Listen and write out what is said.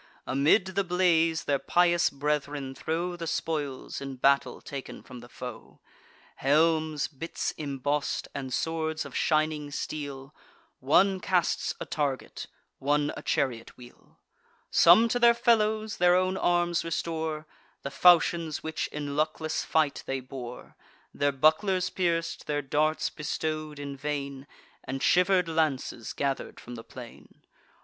Amid the blaze, their pious brethren throw The spoils, in battle taken from the foe: Helms, bits emboss'd, and swords of shining steel; One casts a target, one a chariot wheel; Some to their fellows their own arms restore: The falchions which in luckless fight they bore, Their bucklers pierc'd, their darts bestow'd in vain, And shiver'd lances gather'd from the plain.